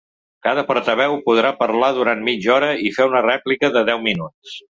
Cada portaveu podrà parlar durant mitja hora i fer una rèplica de deu minuts.